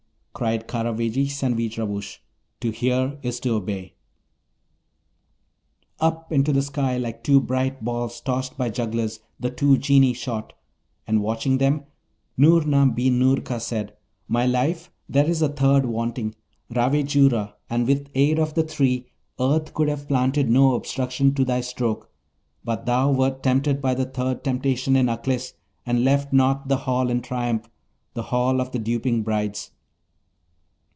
Cried Karavejis and Veejravoosh, 'To hear is to obey.' Up into the sky, like two bright balls tossed by jugglers, the two Genii shot; and, watching them, Noorna bin Noorka said, 'My life, there is a third wanting, Ravejoura; and with aid of the three, earth could have planted no obstruction to thy stroke; but thou wert tempted by the third temptation in Aklis, and left not the Hall in triumph, the Hall of the Duping Brides!'